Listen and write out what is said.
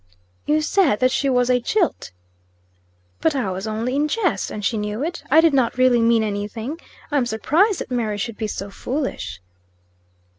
"You said that she was a jilt." "But I was only in jest, and she knew it. I did not really mean any thing. I'm surprised that Mary should be so foolish."